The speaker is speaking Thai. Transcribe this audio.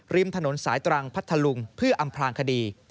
ริมถนนสายตรังพัทธลุงเพื่ออำพลางคดี